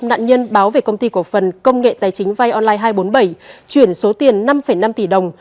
nạn nhân báo về công ty cổ phần công nghệ tài chính vay online hai trăm bốn mươi bảy chuyển số tiền năm năm tỷ đồng